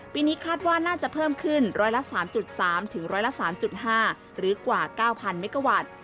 ปีนี้คาดว่าน่าจะเพิ่มขึ้นร้อยละ๓๓ร้อยละ๓๕หรือกว่า๙๐๐เมกาวัตต์